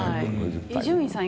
伊集院さん